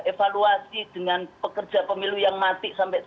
evaluasi dengan pekerja pemilu yang mati sampai